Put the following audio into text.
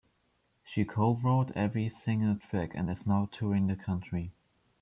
She co-wrote every single track and is now touring the country.